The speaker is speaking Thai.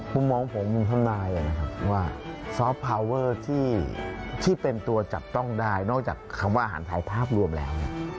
มุมมองผมทำนายนะครับว่าซอฟต์พาวเวอร์ที่เป็นตัวจับต้องได้นอกจากคำว่าอาหารไทยภาพรวมแล้ว